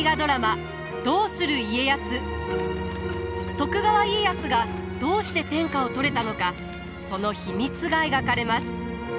徳川家康がどうして天下を取れたのかその秘密が描かれます。